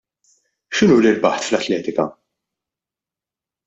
X'unuri rbaħt fl-atletika?